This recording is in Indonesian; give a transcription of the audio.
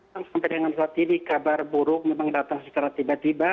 yang sampai dengan saat ini kabar buruk memang datang secara tiba tiba